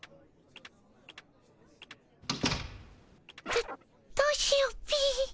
どどうしようっピィ。